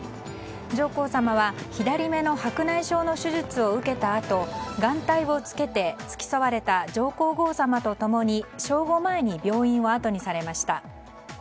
上皇さまは左目の白内障の手術を受けたあと眼帯を着けて付き添われた上皇后さまと共に正午前に病院をあとにされました。